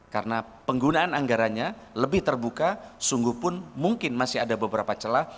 karena penggunaan anggarannya lebih terbuka sungguhpun mungkin masih ada beberapa celah